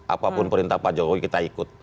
apapun perintah pak jokowi kita ikut